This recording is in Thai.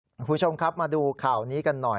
คุณผู้ชมครับมาดูข่าวนี้กันหน่อย